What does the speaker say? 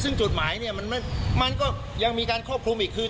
ซึ่งจดหมายเนี่ยมันก็ยังมีการครอบคลุมอีกคือ